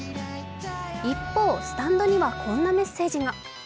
一方、スタンドにはこんなメッセージが。